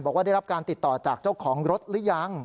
บอกว่าได้รับการติดต่อจากเจ้าของรถหรือยัง